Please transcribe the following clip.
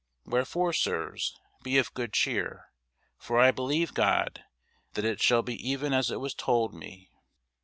Wherefore, sirs, be of good cheer: for I believe God, that it shall be even as it was told me.